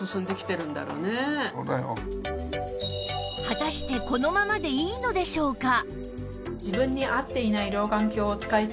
果たしてこのままでいいのでしょうか？